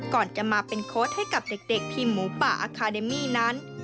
ก่อนจะมาเป็นโค้ดให้กับเด็กทีมหมูป่าอาคาเดมี่นั้น